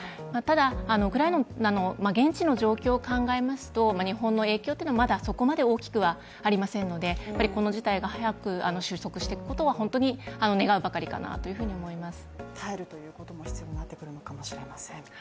ただ、ウクライナの現地の状況を考えますと日本の影響というのはまだそこまで大きくはありませんのでこの事態が早く収束していくことを本当に願うばかりかなと思います。